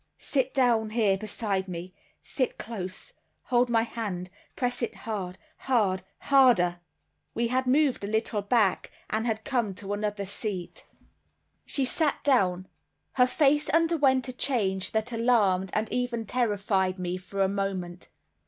Sit down here, beside me; sit close; hold my hand; press it hard hard harder." We had moved a little back, and had come to another seat. She sat down. Her face underwent a change that alarmed and even terrified me for a moment.